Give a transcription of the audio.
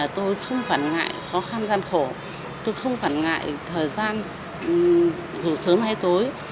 tôi không quản ngại khó khăn gian khổ tôi không quản ngại thời gian dù sớm hay tối